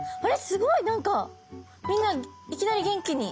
すごい何かみんないきなり元気に。